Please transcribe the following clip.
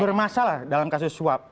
bermasalah dalam kasus suap